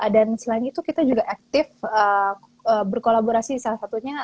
dan selain itu kita juga aktif berkolaborasi salah satunya